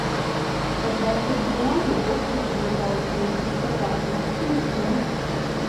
Когда их подбирали, доктор, дрожа от злости, сказал мне: — Ну что?